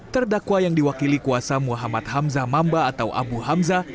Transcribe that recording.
terdakwa yang diwakili kuasa muhammad hamzah mamba atau abu hamzah